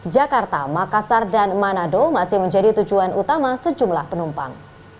jakarta makassar dan manado masih menjadi tujuan utama sejumlah penumpang